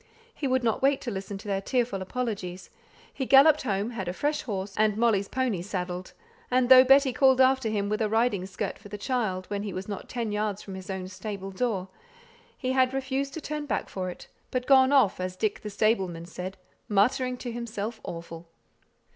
He would not wait to listen to their tearful apologies; he galloped home, had a fresh horse and Molly's pony saddled, and though Betty called after him with a riding skirt for the child, when he was not ten yards from his own stable door, he refused to turn back for it, but went off, as Dick the stableman said, "muttering to himself awful."